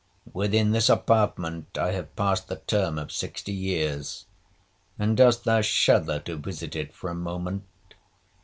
Within this apartment I have passed the term of sixty years, and dost thou shudder to visit it for a moment?